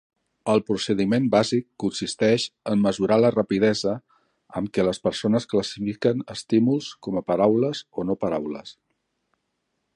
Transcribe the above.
El procediment bàsic consisteix en mesurar la rapidesa amb què les persones classifiquen estímuls com a paraules o no paraules.